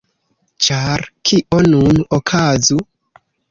Ĉar kio nun okazu?